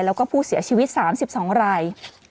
แล้วก็ผู้เสียชีวิต๓๒ราย